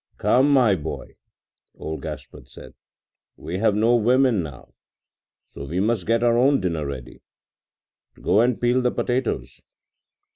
“Come, my boy,” old Gaspard said, “we have no women now, so we must get our own dinner ready. Go and peel the potatoes.